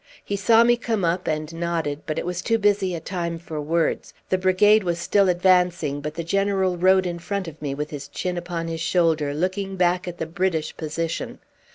He saw me come up, and nodded, but it was too busy a time for words. The brigade was still advancing, but the general rode in front of me with his chin upon his shoulder, looking back at the British position.